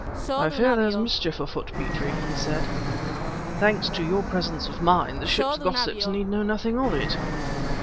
"I fear there's mischief afoot, Petrie," he said. "Thanks to your presence of mind, the ship's gossips need know nothing of it."